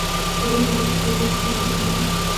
په دې ټولو حالاتو کې جوړښت غیر عادلانه دی.